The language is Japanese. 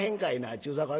ちゅうさかい